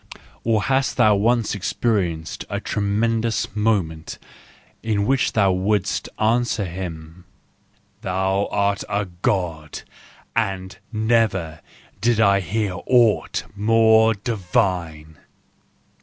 Or hast thou once experienced a tremendous moment in which thou wouldst answer him :" Thou art a God, and never did I hear aught more divine!"